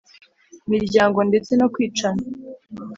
Miryango ndetse no kwicana